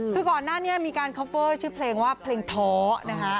คือก่อนหน้านี้มีการคอฟเฟอร์ชื่อเพลงว่าเพลงท้อนะฮะ